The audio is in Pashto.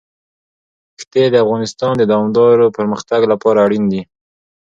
ښتې د افغانستان د دوامداره پرمختګ لپاره اړین دي.